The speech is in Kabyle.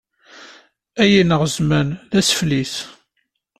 Ay ineɣ zman, d asfel-is.